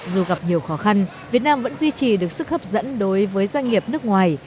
dù gặp nhiều khó khăn việt nam vẫn duy trì được sức hấp dẫn đối với doanh nghiệp nước ngoài